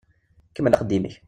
Kemmel axeddim-ik.